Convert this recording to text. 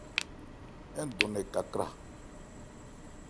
Ń dɔn nkɛ kakrâ.